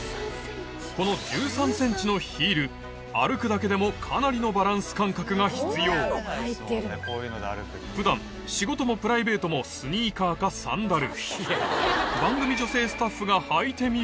この１３ｃｍのヒール歩くだけでもかなりのバランス感覚が必要普段仕事もプライベートもスニーカーかサンダル